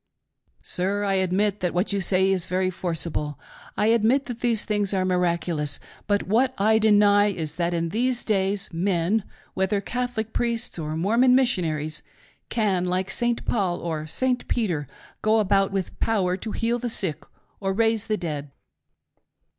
L. P. : Sir, I admit that what you say is very forcible. I admit that these things are miraculous ; but what I deny is that, in these days, men, — whether Catholic priests, or Mor mon Missionaries, — can like St. Paul, or St. Peter, go about with power to heal the sick or raise the dead.